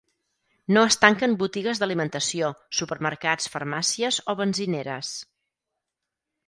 No es tanquen botigues d’alimentació, supermercats, farmàcies o benzineres.